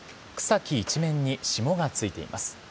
草木一面に霜がついています。